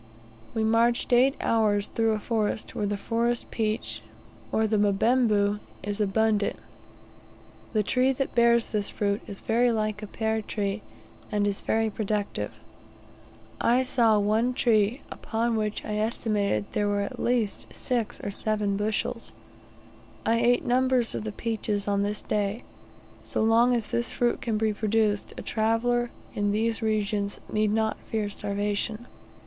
We marched eight hours through a forest, where the forest peach, or the "mbembu," is abundant. The tree that bears this fruit is very like a pear tree, and is very productive. I saw one tree, upon which I estimated there were at least six or seven bushels. I ate numbers of the peaches on this day. So long as this fruit can be produced, a traveller in these regions need not fear starvation.